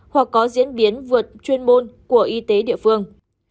hoặc có diễn biến vượt chuyên môn của y tế địa phương